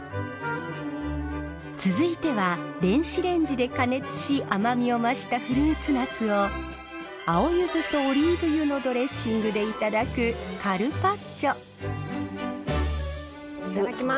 続いては電子レンジで加熱し甘みを増したフルーツナスを青ゆずとオリーブ油のドレッシングでいただくいただきます。